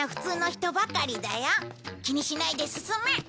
気にしないで進め！